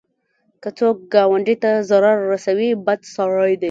که څوک ګاونډي ته ضرر ورسوي، بد سړی دی